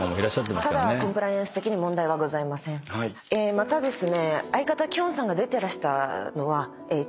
またですね。